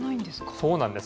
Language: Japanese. そうなんです。